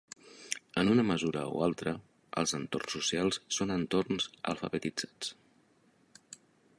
En una mesura o altra, els entorns socials són entorns alfabetitzats.